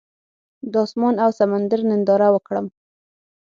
د اسمان او سمندر ننداره وکړم.